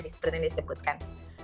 seperti yang disebutkan